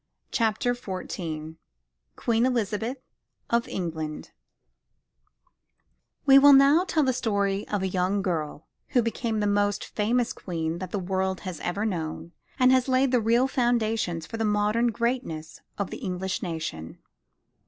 CHAPTER XIV QUEEN ELIZABETH OF ENGLAND We will now tell the story of a young girl who became the most famous Queen that the world has ever known and laid the real foundations for the modern greatness of the English nation.